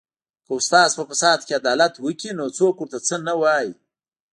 که استاد په فساد کې عدالت وکړي نو څوک ورته څه نه وايي